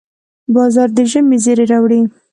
• باران د ژمي زېری راوړي.